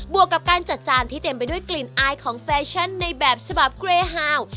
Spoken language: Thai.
วกกับการจัดจานที่เต็มไปด้วยกลิ่นอายของแฟชั่นในแบบฉบับเกรฮาว